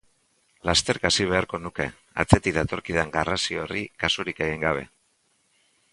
Lasterka hasi beharko nuke, atzetik datorkidan garrasi horri kasurik egin gabe.